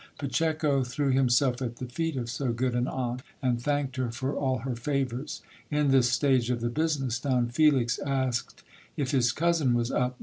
Pacheco threw himself at the feet of so good an aunt, and thanked her for all her favours. In this stage of the business Don Felix asked if his cousin was up.